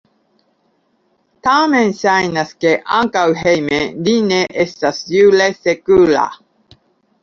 Tamen ŝajnas, ke ankaŭ hejme li ne estas jure sekura.